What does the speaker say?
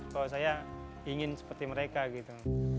kalau saya ingin seperti mereka gitu